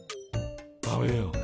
食べようか。